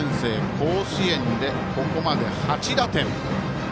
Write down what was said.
甲子園でここまで８打点。